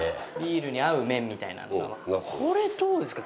これどうですか？